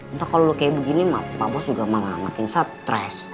entah kalau lo kayak begini pak bos juga malah makin stress